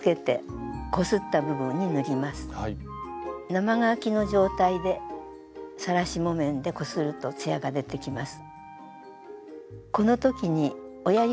生乾きの状態でさらし木綿でこするとツヤがでてきます。